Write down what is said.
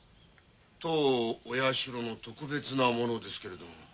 当お社の特別なものですけれども。